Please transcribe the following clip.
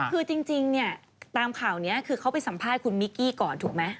คือจริงเนี่ยตามข่าวนี้คือเขาไปสัมภาษณ์คุณมิกกี้ก่อนถูกไหม